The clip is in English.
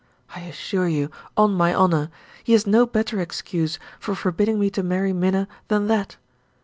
I assure you, on my honor, he has no better excuse for forbidding me to marry Minna than that.